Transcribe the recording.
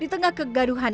di tengah kegaduhan